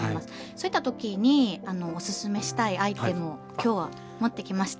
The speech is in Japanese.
そういった時におすすめしたいアイテムを今日は持ってきました。